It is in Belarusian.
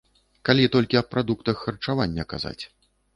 Калі толькі аб прадуктах харчавання казаць.